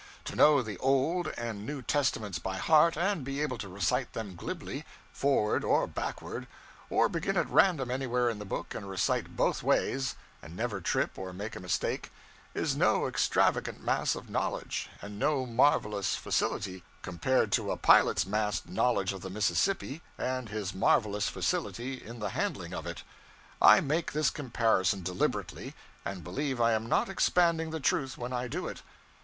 To know the Old and New Testaments by heart, and be able to recite them glibly, forward or backward, or begin at random anywhere in the book and recite both ways and never trip or make a mistake, is no extravagant mass of knowledge, and no marvelous facility, compared to a pilot's massed knowledge of the Mississippi and his marvelous facility in the handling of it. I make this comparison deliberately, and believe I am not expanding the truth when I do it.